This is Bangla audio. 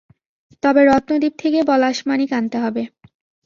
তবে রত্নদ্বীপ থেকে পলাশমানিক আনতে হবে।